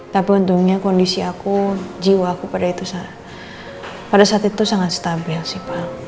tapi untungnya kondisi aku jiwaku pada itu pada saat itu sangat stabil sih pak